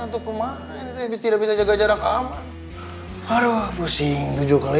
untuk kemahin tidak bisa jaga jarak aman aduh pusing tujuh kali lagi tenang aja kang abah insyaallah